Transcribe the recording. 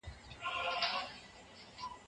ژبه بايد د سپکاوي لپاره ونه کارول سي.